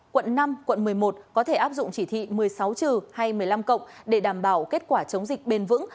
quận năm quận một mươi một có thể áp dụng chỉ thị một mươi sáu trừ hay một mươi năm cộng để đảm bảo kết quả chống dịch bền vững